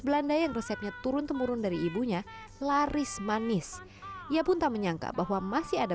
belanda yang resepnya turun temurun dari ibunya laris manis ia pun tak menyangka bahwa masih ada